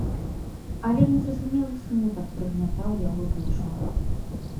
Але незразумелы смутак прыгнятаў яго душу.